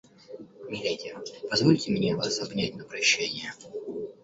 Миледи, позвольте мне вас обнять на прощание.